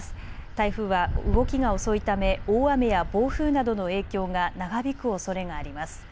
台風は動きが遅いため大雨や暴風などの影響が長引くおそれがあります。